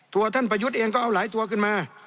ท่านประยุทธ์เองก็เอาหลายตัวขึ้นมา